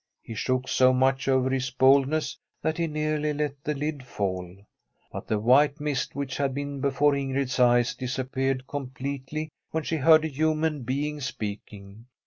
He shook so much over his boldness that he nearly let the lid fall. But the white mist which had been before Ingrid's eyes disappeared completely when she heard a human being speaking.